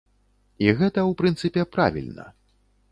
І гэта, у прынцыпе, правільна.